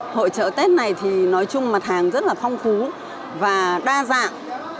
hội trợ tết này thì nói chung mặt hàng rất là phong phú và đa dạng